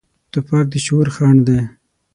توپک د شعور خنډ دی.